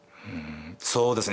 そうですね